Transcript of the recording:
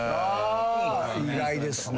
意外ですね。